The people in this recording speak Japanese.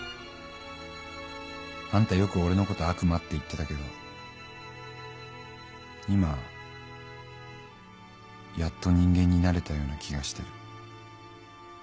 「あんたよく俺のこと悪魔って言ってたけど今やっと人間になれたような気がしてる。